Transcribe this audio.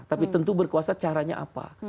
tapi tentu berkuasa caranya apa